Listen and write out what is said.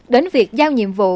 đến việc giao nhiệm vụ